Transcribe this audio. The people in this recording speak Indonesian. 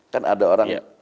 kan ada orang